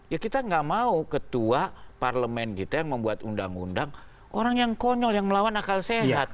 ya kita nggak mau ketua parlemen kita yang membuat undang undang orang yang konyol yang melawan akal sehat